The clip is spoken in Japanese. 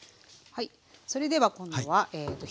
はい。